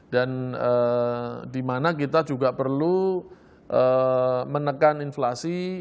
dan di mana kita juga perlu menekan inflasi